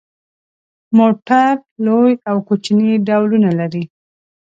موټر لوی او کوچني ډولونه لري.